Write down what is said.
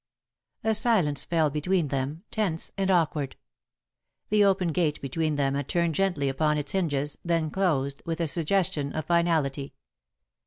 A silence fell between them, tense and awkward. The open gate between them had turned gently upon its hinges, then closed, with a suggestion of finality.